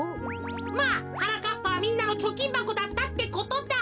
まあはなかっぱはみんなのちょきんばこだったってことだ。